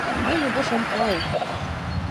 — Мый нигуш ом кае...